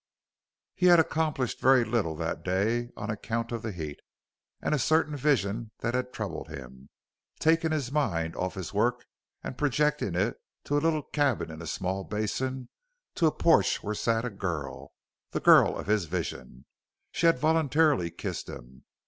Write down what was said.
He had accomplished very little that day on account of the heat and a certain vision that had troubled him taking his mind off his work and projecting it to a little cabin in a small basin, to a porch where sat a girl the girl of his vision. She had voluntarily kissed him.